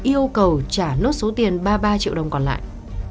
yêu cầu trả nốt số tiền ba mươi ba triệu đồng còn lại